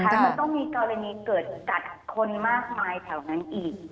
มันต้องมีกรณีเกิดกัดคนมากมายแถวนั้นอีก